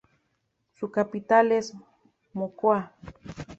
Su capital es Mocoa.